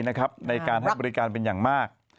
ในการให้บริการเป็นอย่างมาก